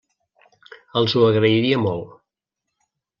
Els ho agrairia molt.